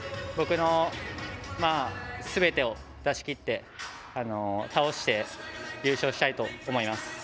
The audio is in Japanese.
僕のすべてを出しきって倒して優勝したいと思います。